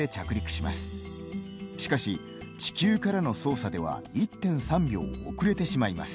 しかし地球からの操作では１．３秒遅れてしまいます。